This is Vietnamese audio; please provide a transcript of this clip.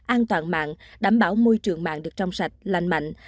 an toàn mạng đảm bảo môi trường mạng được trong sạch lành mạnh